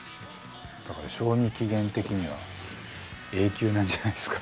だから賞味期限的には永久なんじゃないっすか。